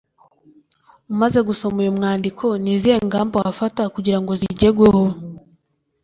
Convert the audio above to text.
umaze gusoma uyu mwandiko ni izihe ngamba wafata kugira zijyegweho